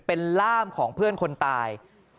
เป็นล่ามของเพื่อนคนตาย